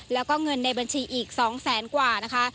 แล้วก็เงินในบัญชีอีก๒แสนกว่านะคะ